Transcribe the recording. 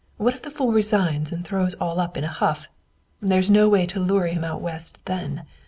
What if the fool resigns and throws all up in a huff? There is no way to lure him out West then.